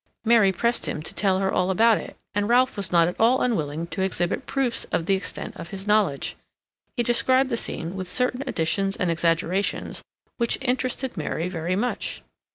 Mary pressed him to tell her all about it, and Ralph was not at all unwilling to exhibit proofs of the extent of his knowledge. He described the scene with certain additions and exaggerations which interested Mary very much.